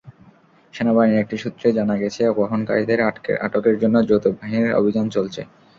সেনাবাহিনীর একটি সূত্রে জানা গেছে, অপহরণকারীদের আটকের জন্য যৌথ বাহিনীর অভিযান চলছে।